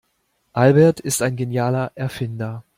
Albert ist ein genialer Erfinder.